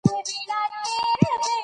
په حکومت کی به د شورا نظام حاکم وی